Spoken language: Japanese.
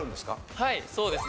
はいそうですね。